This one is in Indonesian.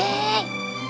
masalahnya cepet selesai